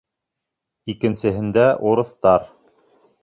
Икенсеһендә — урыҫтар.